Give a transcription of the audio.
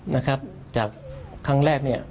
นะครับจากครั้งแรกเนี่ย